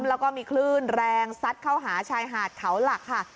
แล้วก็มีคลื่นแรงซัดเข้าหาชายหาดเขาหลักค่ะ